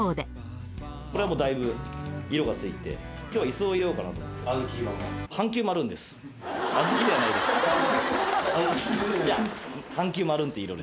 これはもうだいぶ色がついて、きょうはいすを入れようかなと思って。